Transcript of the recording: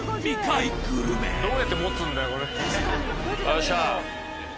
よっしゃ。